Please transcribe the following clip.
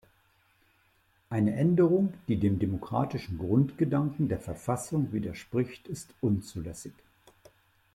Eine Änderung, die dem demokratischen Grundgedanken der Verfassung widerspricht, ist unzulässig.